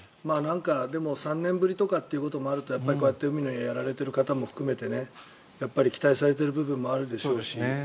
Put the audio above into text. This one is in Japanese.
でも３年ぶりということもあるとやっぱりこうやって海の家をやられている方も含めてやっぱり期待されている部分もあるでしょうし。